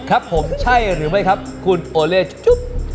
ครับผมใช่หรือไม่ครับคุณโอเล่จุ๊บ